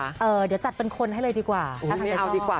เดี๋ยวจัดเป็นคนให้เลยดีกว่า